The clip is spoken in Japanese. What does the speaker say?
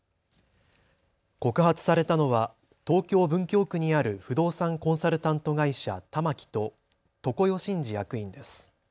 告発されたのは東京文京区にある不動産コンサルタント会社、たまきと常世眞司役員です。